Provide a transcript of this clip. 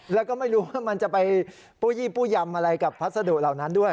เราก็ไม่รู้มันจะไปปู้หญิมอะไรกับพัสดุเหล่านั้นด้วย